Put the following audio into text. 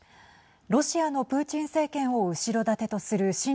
ロシアのプーチン政権を後ろ盾とする親